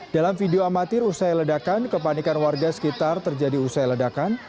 dalam video amatir usai ledakan kepanikan warga sekitar terjadi usai ledakan